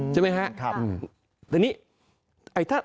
ใช่ไหมครับ